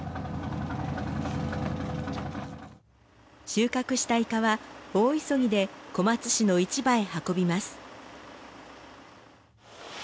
収穫したイカは大急ぎで小松市の市場へ運びます。